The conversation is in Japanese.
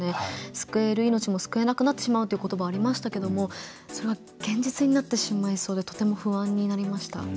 救える命も救えなくなってしまうということば、ありましたけどもそれが現実になってしまいそうでとても不安になりました。